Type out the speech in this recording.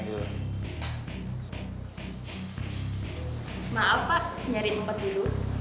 maaf pak nyari empat duduk